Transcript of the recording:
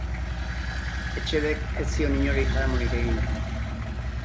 Etxebek ez zion inori jaramonik egin.